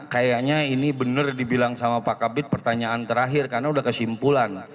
karena kayaknya ini benar dibilang sama pak kabit pertanyaan terakhir karena sudah kesimpulan